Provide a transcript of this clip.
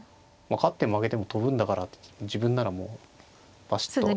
勝っても負けても跳ぶんだから自分ならもうバシッと。